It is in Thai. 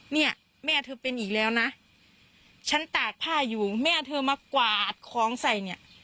เนี่ยแม่เธอเป็นอีกแล้วนะฉันตากผ้าอยู่แม่เธอมากวาดของใส่เนี่ย